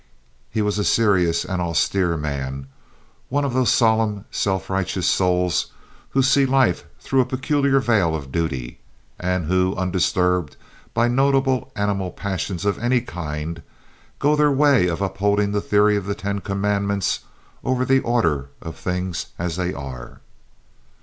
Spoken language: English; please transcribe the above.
He was a serious and austere man— one of those solemn, self righteous souls who see life through a peculiar veil of duty, and who, undisturbed by notable animal passions of any kind, go their way of upholding the theory of the Ten Commandments over the order of things as they are.